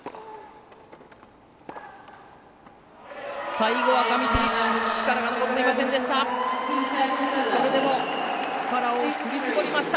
最後は上地力が残っていませんでした。